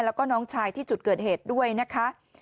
แล้วก็น้องชายที่จุดเกิดเหตุด้วยนะคะ